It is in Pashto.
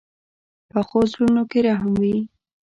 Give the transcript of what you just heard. پخو زړونو کې رحم وي